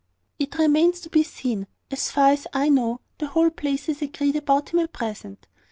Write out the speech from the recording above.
"It remains to be seen. As far as I know, the whole place is agreed about him at present.